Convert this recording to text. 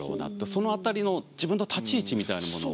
その辺りの自分の立ち位置みたいなものを。